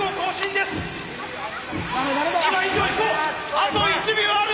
あと１秒ある！